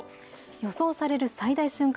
予想される最大瞬間